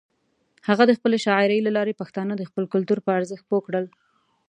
هغه د خپلې شاعرۍ له لارې پښتانه د خپل کلتور پر ارزښت پوه کړل.